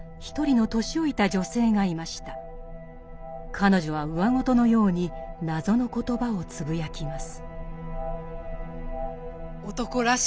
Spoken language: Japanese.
彼女はうわごとのように謎の言葉をつぶやきます。